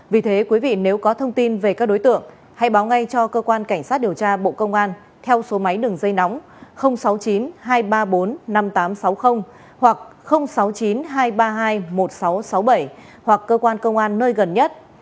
vì thế quý vị nếu có thông tin về các đối tượng hãy báo ngay cho cơ quan cảnh sát điều tra bộ công an theo số máy đường dây nóng sáu mươi chín hai trăm ba mươi bốn năm nghìn tám trăm sáu mươi hoặc sáu mươi chín hai trăm ba mươi hai một nghìn sáu trăm sáu mươi bảy hoặc cơ quan công an nơi gần nhất